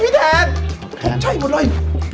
พี่แทนพรุ่งไข้หมดเลย